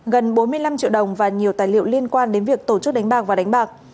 gần bốn mươi năm triệu đồng và nhiều tài liệu liên quan đến việc tổ chức đánh bạc và đánh bạc